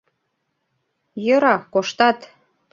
Йӧра, коштат!..